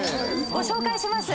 ご紹介します。